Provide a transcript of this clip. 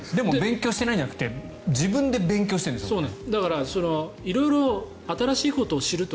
でも勉強していないんじゃなくて自分で勉強しているんですよね。